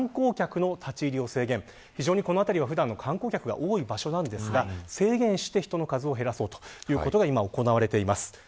この辺りは普段は観光客が多い場所なんですが、制限して人の数を減らそうということが今、行われています。